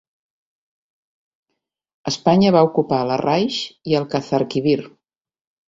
Espanya va ocupar Larraix i Alcazarquivir.